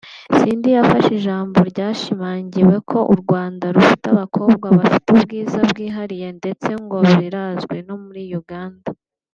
Cindy yafashe ijambo ryashimangiye ko u Rwanda rufite abakobwa bafite ubwiza bwihariye ndetse ngo birazwi no muri Uganda